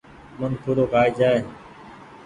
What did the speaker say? منکون رو ڪآئي جآئي ۔